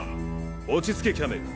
落ち着けキャメル。